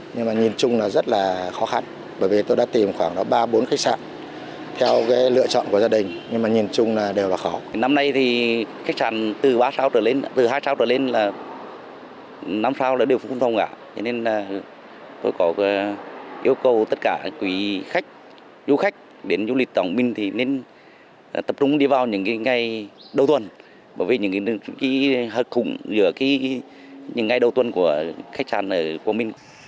năm sau là đều không thông cả nên tôi yêu cầu tất cả quý khách du khách đến du lịch quảng bình nên tập trung đi vào những ngày đầu tuần bởi vì những ngày đầu tuần của khách sạn ở quảng bình